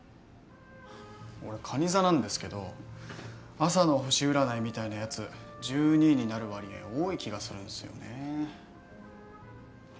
俺かに座なんですけど朝の星占いみたいなやつ１２位になる割合多い気がするんすよね。